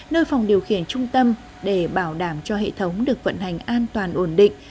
nơi phòng điều khiển trung tâm để bảo đảm cho hệ thống được vận hành an toàn ổn định